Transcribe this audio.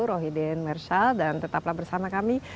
rohi din mershal dan tetaplah bersama kami